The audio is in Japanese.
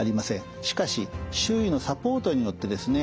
しかし周囲のサポートによってですね